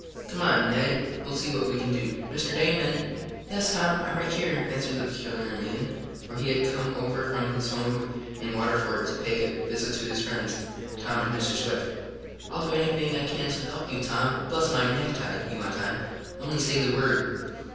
Come on, Ned. We'll see what we can do. Mr. Damon " "Yes, Tom, I'm right here," answered the peculiar man, for he had come over from his home in Waterford to pay a visit to his friends, Tom and Mr. Swift. "I'll do anything I can to help you, Tom, bless my necktie!" he went on. "Only say the word!"